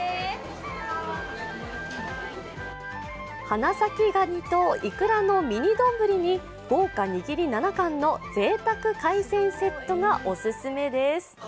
花咲ガニとイクラのミニ丼に豪華握り７貫の贅沢海鮮セットがオススメです。